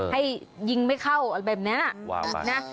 ให้ยิงไม่เข้าอะไรแบบนี้นะ